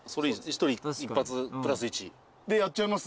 １人１発プラス１。でやっちゃいます？